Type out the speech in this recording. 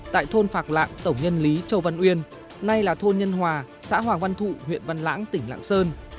tại thôn phạc lạng tổng nhân lý châu văn uyên nay là thôn nhân hòa xã hoàng văn thụ huyện văn lãng tỉnh lạng sơn